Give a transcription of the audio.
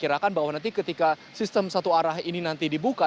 saya kirakan bahwa nanti ketika sistem satu arah ini nanti dibuka